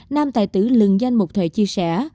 nam tài tử lừng danh một thời chia sẻ